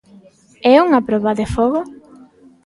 É unha proba de fogo?